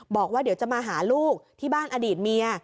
บอกว่าเดี๋ยวจะมาหาลูกที่บ้านอดีตเมีย